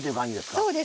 そうです。